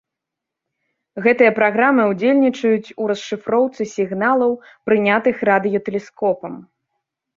Гэтыя праграмы ўдзельнічаюць у расшыфроўцы сігналаў, прынятых радыётэлескопам.